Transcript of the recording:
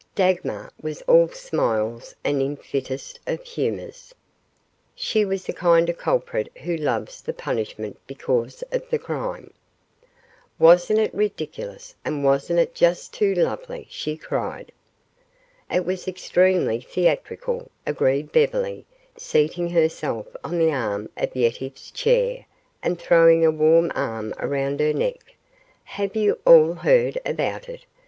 Dagmar was all smiles and in the fittest of humors. She was the kind of a culprit who loves the punishment because of the crime. "Wasn't it ridiculous, and wasn't it just too lovely?" she cried. "It was extremely theatrical," agreed Beverly, seating herself on the arm of Yetive's chair and throwing a warm arm around her neck. "Have you all heard about it?"